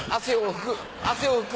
汗を拭く。